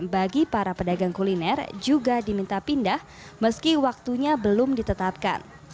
bagi para pedagang kuliner juga diminta pindah meski waktunya belum ditetapkan